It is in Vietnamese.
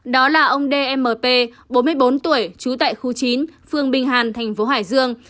đó là ông dmp bốn mươi bốn tuổi trú tại khu chín phường bình hàn thành phố hải dương